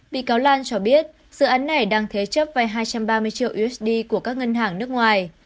bị cáo lan cho biết dự án này đang thế chấp vay hai trăm ba mươi triệu usd của các ngân hàng nước ngoài